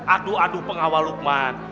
aduh aduh pengawal lukman